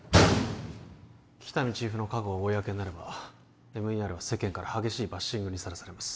喜多見チーフの過去が公になればＭＥＲは世間から激しいバッシングにさらされます